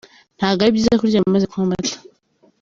Ntago ari byiza kuryama umaze kunywa amata.